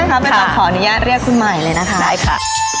ไปตอบขออนุญาตเรียกคุณหมายเลยนะคะ